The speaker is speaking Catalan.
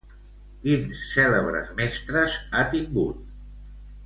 Quins cèlebres mestres ha tingut?